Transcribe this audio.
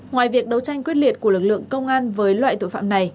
ngoài việc đấu tranh quyết liệt của lực lượng công an với loại trụ sở